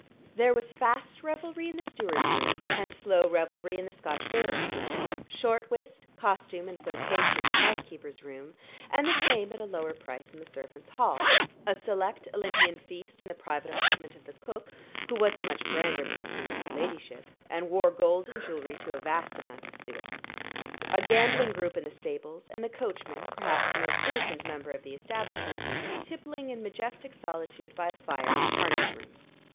There was fast revelry in the steward's room, and slow revelry in the Scotch bailiff's room; short whist, costume, and flirtation in the housekeeper's room, and the same at a lower price in the servants' hall; a select Olympian feast in the private apartment of the cook, who was a much grander person than her ladyship, and wore gold and jewelry to a vast amount of suet; a gambling group in the stables, and the coachman, perhaps the most innocent member of the establishment, tippling in majestic solitude by a fire in the harness room.